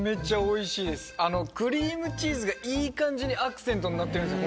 クリームチーズがいい感じにアクセントになってるんですよ